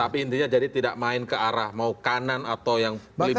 tapi intinya jadi tidak main ke arah mau kanan atau yang melibatkan